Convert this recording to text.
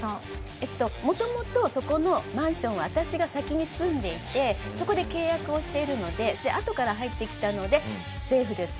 えっと元々そこのマンションは私が先に住んでいてそこで契約をしているのでであとから入ってきたのでセーフです。